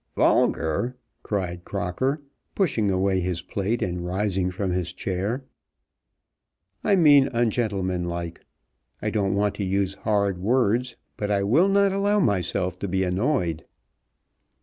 "Vulgar!" cried Crocker, pushing away his plate, and rising from his chair. "I mean ungentlemanlike. I don't want to use hard words, but I will not allow myself to be annoyed."